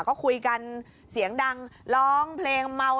ก็คุยกันเสียงดังร้องเพลงเมา